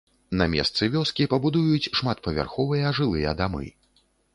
На месцы вёскі пабудуюць шматпавярховыя жылыя дамы.